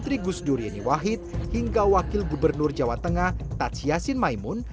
trigus durieni wahid hingga wakil gubernur jawa tengah tatsyasin maimun